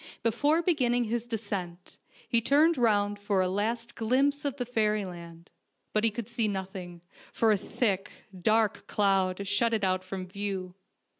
Before beginning his descent he turned round for a last glimpse of fairyland; but he could see nothing, for a thick, dark cloud shut it out from view.